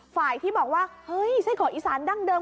ฝ่ายที่บอกว่าไส้กอกอีสานดั้งเดิม